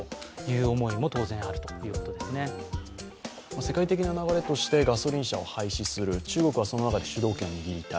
世界的な流れとしてガソリン車を廃止する、中国はその中で主導権を握りたい。